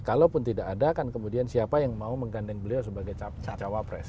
kalaupun tidak ada kan kemudian siapa yang mau menggandeng beliau sebagai cawapres